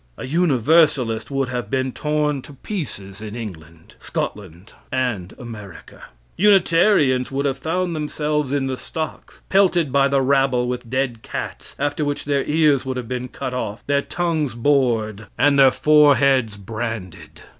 A Universalist would have been torn to pieces in England, Scotland, and America. Unitarians would have found themselves in the stocks, pelted by the rabble with dead cats, after which their ears would have been cut off, their tongues bored, and their foreheads branded.